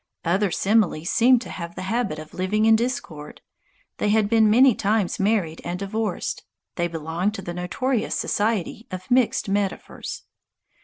Other similes seemed to have the habit of living in discord. They had been many times married and divorced. They belonged to the notorious society of Mixed Metaphors.